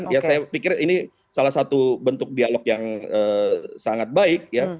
ya saya pikir ini salah satu bentuk dialog yang sangat baik ya